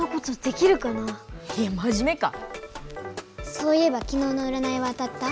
そういえばきのうのうらないは当たった？